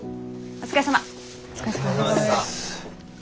お疲れさまです。